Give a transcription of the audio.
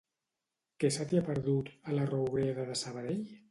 Què se t'hi ha perdut, a La Roureda de Sabadell?